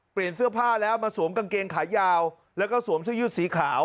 เปลี่ยนเสื้อผ้าแล้วมาสวมกางเกงขายาวแล้วก็สวมชุดยืดสีขาว